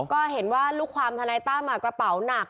ก็เห็นว่าลูกความทนายตั้มกระเป๋าหนัก